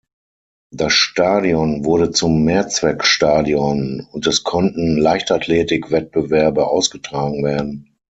Das Stadion wurde zum Mehrzweckstadion, und es konnten Leichtathletikwettbewerbe ausgetragen werden.